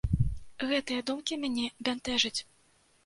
Гэтыя думкі мяне бянтэжаць.